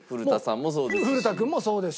古田さんもそうですし。